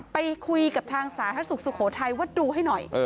ไปคุยกับทางสาธารณสุขสุโขทัยว่าดูให้หน่อย